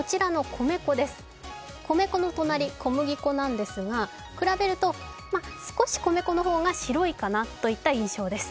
米粉の隣、小麦粉なんですが、比べると少し米粉の方が白いかなといった印象です。